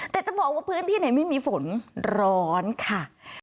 แต่จะบอกว่าพื้นที่ไหนไม่มีฝนร้อนค่ะ